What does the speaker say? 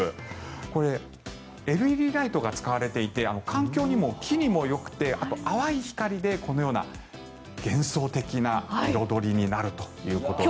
これ、ＬＥＤライトが使われていて環境にも木にもよくてあと淡い光でこのような幻想的な彩りになるということです。